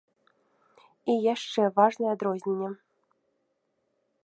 І яшчэ важнае адрозненне.